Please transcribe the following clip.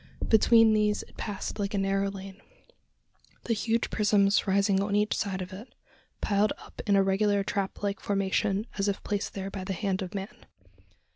Between these it passed like a narrow lane, the huge prisms rising on each side of it, piled up in a regular trap like formation, as if placed there by the hand of man!